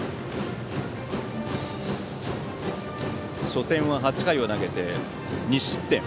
初戦は８回を投げて２失点。